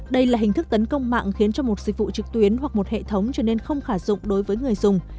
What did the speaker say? đây là hình thức tấn công mạng khiến cho một dịch vụ trực tuyến hoặc một hệ thống trở nên không khả dụng đối với người dùng